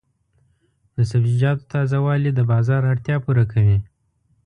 د سبزیجاتو تازه والي د بازار اړتیا پوره کوي.